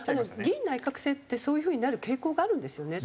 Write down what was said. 議院内閣制ってそういう風になる傾向があるんですよね。